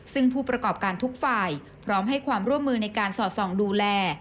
ซึ่งผู้ประกอบการทุกฝ่ายพร้อมให้ความร่วมมือในการสอดส่องดูแล